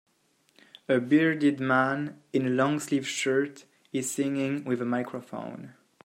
A bearded man in a longsleeve shirt is singing with a microphone.